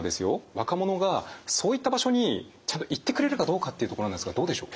若者がそういった場所にちゃんと行ってくれるかどうかっていうところなんですがどうでしょう？